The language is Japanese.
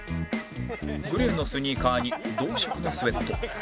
グレーのスニーカーに同色のスウェット